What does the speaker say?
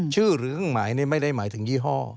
ชื่อหรือเครื่องหมายไม่ได้หมายถึงยี่ห้อ